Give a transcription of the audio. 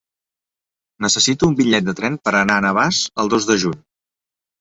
Necessito un bitllet de tren per anar a Navàs el dos de juny.